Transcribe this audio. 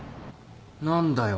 何だよ。